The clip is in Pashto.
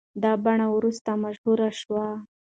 دا بڼه وروسته مشهوره شوه.